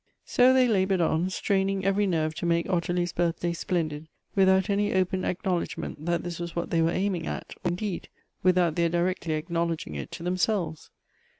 So they labored on, straining every nerve to make Ottilie's birthday splendid, without any open acknowl edgment that this was what they were aiming at, or, indeed, without their directly acknowledging it to them selves.